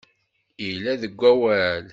Illa deg wawal.